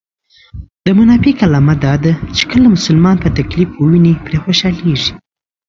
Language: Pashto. د منافق علامه دا ده چې کله مسلمان په تکليف و ويني پرې خوشحاليږي